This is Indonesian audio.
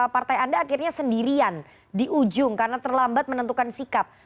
partai anda akhirnya sendirian di ujung karena terlambat menentukan sikap